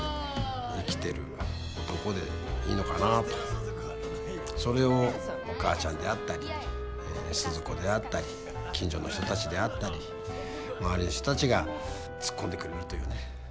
本当に何かそれをお母ちゃんであったり鈴子であったり近所の人たちであったり周りの人たちがツッコんでくれるというね。